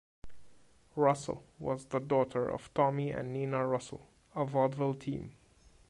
Russell was the daughter of Tommy and Nina Russell, a vaudeville team.